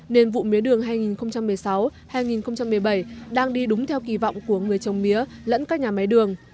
nên vụ mía đường hai nghìn một mươi sáu hai nghìn một mươi bảy đang đi đúng theo kỳ vọng của người trồng mía lẫn các nhà máy đường